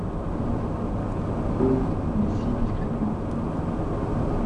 Oh ! mais si discrètement !